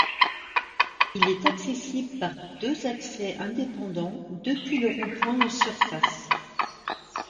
Il est accessible par deux accès indépendants depuis le rond-point en surface.